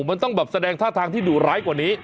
มันต้องแบบแสดงท่าทางที่ดุร้ายกว่านี้